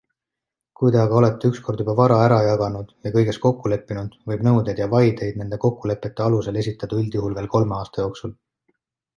Kui te aga olete ükskord juba vara ära jaganud ja kõiges kokku leppinud, võib nõudeid ja vaideid nende kokkulepete alusel esitada üldjuhul veel kolme aasta jooksul.